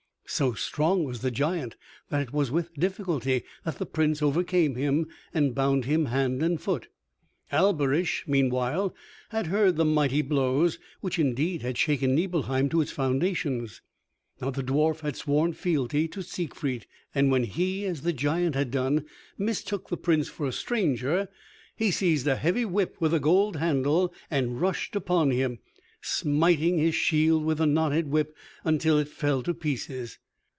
So strong was the giant that it was with difficulty that the Prince overcame him and bound him hand and foot. Alberich meanwhile had heard the mighty blows, which indeed had shaken Nibelheim to its foundations. Now the dwarf had sworn fealty to Siegfried, and when he, as the giant had done, mistook the Prince for a stranger, he seized a heavy whip with a gold handle and rushed upon him, smiting his shield with the knotted whip until it fell to pieces.